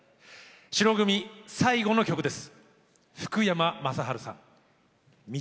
白組最後の曲です。